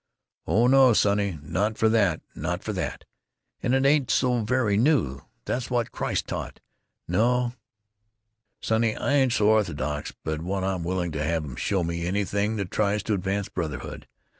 "Oh no, sonny, not for that, not for that. And it ain't so very new. That's what Christ taught! No, sonny, I ain't so orthodox but what I'm willing to have 'em show me anything that tries to advance brotherhood.